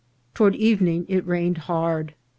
Toward evening it rained hard.